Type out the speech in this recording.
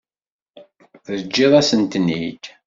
Teǧǧiḍ-asen-ten-id?